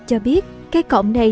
cho biết cái cổng này